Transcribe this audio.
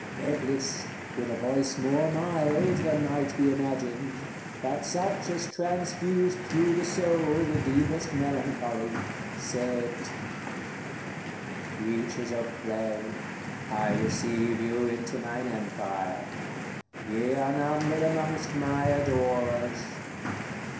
Eblis, with a voice more mild than might be imagined, but such as transfused through the soul the deepest melancholy, said: "Creatures of clay, I receive you into mine empire; ye are numbered amongst my adorers.